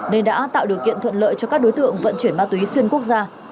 nên đã tạo điều kiện thuận lợi cho các đối tượng vận chuyển ma túy xuyên quốc gia